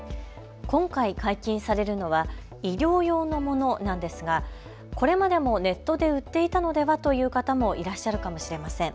今回解禁されるのは医療用のものなんですがこれまでもネットで売っていたのではという方もいらっしゃるかもしれません。